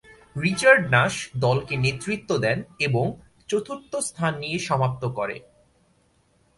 Richard Nash দলকে নেতৃত্ব দেন এবং চতুর্থ স্থান নিয়ে সমাপ্ত করে।